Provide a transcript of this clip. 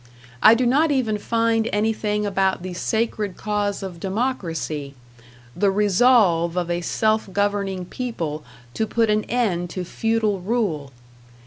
I do not even find anything about the sacred cause of democracy, the resolve of a self governing people to put an end to feudal rule.